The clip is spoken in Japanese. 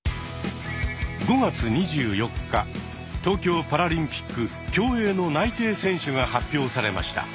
５月２４日東京パラリンピック競泳の内定選手が発表されました。